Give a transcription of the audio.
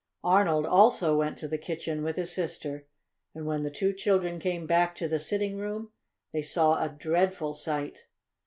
Arnold also went to the kitchen with his sister, and when the two children came back to the sitting room they saw a dreadful sight.